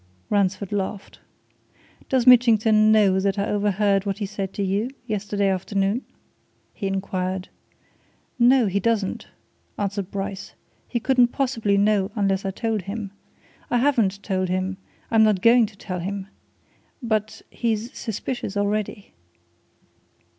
Ransford laughed. "Does Mitchington know that I overheard what he said to you, yesterday afternoon?" he inquired. "No, he doesn't," answered Bryce. "He couldn't possibly know unless I told him. I haven't told him I'm not going to tell him. But he's suspicious already."